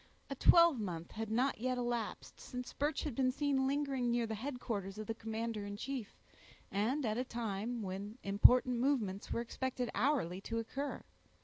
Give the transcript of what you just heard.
A twelvemonth had not yet elapsed, since Birch had been seen lingering near the headquarters of the commander in chief, and at a time when important movements were expected hourly to occur.